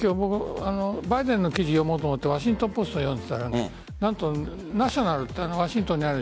バイデンの記事を読もうと思ってワシントン・ポストを見たらナショナルズってワシントンにある。